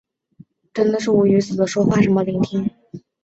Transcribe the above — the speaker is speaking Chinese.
足利幕府第一代将军足利尊氏在幕府管理的基本方针中予以禁止。